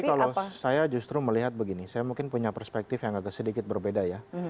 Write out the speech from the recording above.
jadi kalau saya justru melihat begini saya mungkin punya perspektif yang agak sedikit berbeda ya